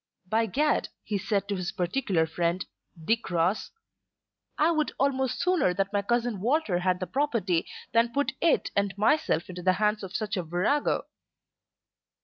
"By Gad," he said to his particular friend, Dick Ross, "I would almost sooner that my cousin Walter had the property than put it and myself into the hands of such a virago."